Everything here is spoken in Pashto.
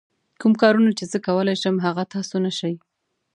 کوم کارونه چې زه کولای شم هغه تاسو نه شئ.